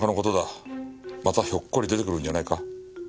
またひょっこり出てくるんじゃないか？